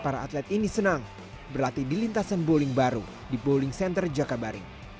para atlet ini senang berlatih di lintasan bowling baru di bowling center jakabaring